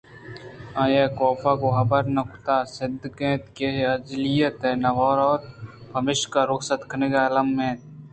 آئی ءَ کافءَ گوں حبر نہ کُتءُسدّک اَت کہ آجلّیت ءُ نہ روت پمشکا رخصت کنگ الّمی نہ اِنت